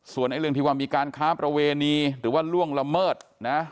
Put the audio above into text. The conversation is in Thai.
ส่วนเรื่องที่ว่ามีการค้าประเวณีหรือว่าล่วงละเมิดนะ